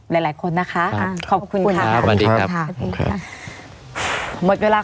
ไม่มีครับไม่มีครับ